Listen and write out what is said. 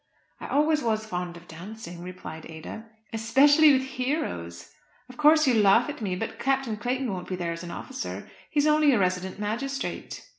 "I always was fond of dancing," replied Ada. "Especially with heroes." "Of course you laugh at me, but Captain Clayton won't be there as an officer; he's only a resident magistrate."